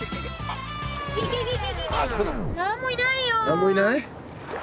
何もいないよ。